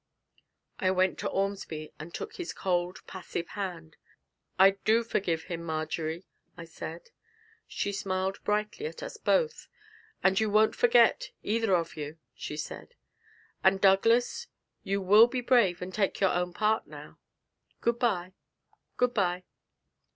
I went to Ormsby, and took his cold, passive hand. 'I do forgive him, Marjory,' I said. She smiled brightly at us both. 'And you won't forget, either of you?' she said. 'And, Douglas, you will be brave, and take your own part now. Good bye, good bye.'